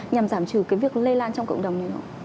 nhằm giảm trừ cái việc lây lan trong cộng đồng này không